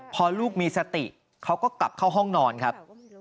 พอลูกมีสติเขาก็กลับเข้าห้องนอนครับ